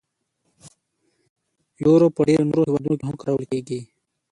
یورو په ډیری نورو هیوادونو کې هم کارول کېږي.